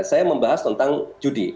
saya membahas tentang judi